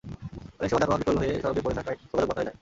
অনেক সময় যানবাহন বিকল হয়ে সড়কে পড়ে থাকায় যোগাযোগ বন্ধ হয়ে যায়।